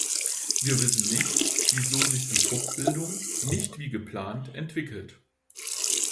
Wir wissen nicht, wieso sich die Fortbildung nicht wie geplant entwickelt.